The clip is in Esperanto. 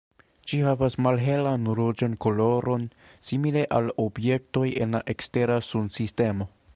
Ĝi havas malhelan ruĝan koloron, simile al objektoj en la ekstera Sunsistemo.